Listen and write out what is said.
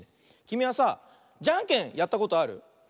きみはさじゃんけんやったことある？